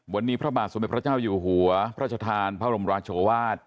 วันนี้พระบาทสมเด็จพระเจ้าอยู่หัวพระชธานพระบรมราชวาส